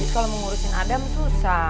kalau mau ngurusin adam susah